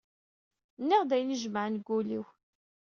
Nniɣ-d ayen i jemɛeɣ deg ul-iw.